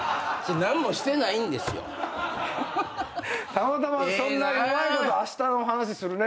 たまたまそんなうまいことあしたの話するね。